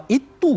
dan sama itu